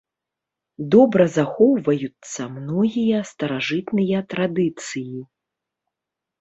Добра захоўваюцца многія старажытныя традыцыі.